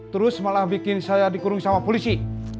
terus malah bikin saya dikurung sama polisi